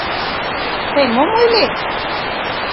Тый мом ойлет?